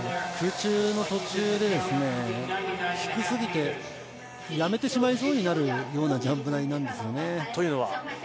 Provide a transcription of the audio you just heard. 空中の途中で低すぎてやめてしまいそうになるようなジャンプ台なんですよね。